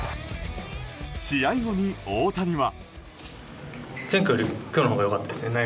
試合後に、大谷は。